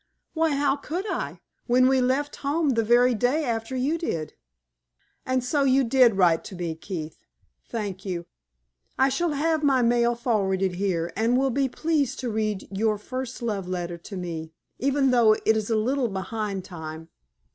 "Why, how could I, when we left home the very day after you did? And so you did write to me, Keith? Thank you. I shall have my mail forwarded here, and will be pleased to read your first love letter to me, even though it is a little behind time."